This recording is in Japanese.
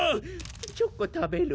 チョコ食べる？